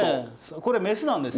これ雌なんです。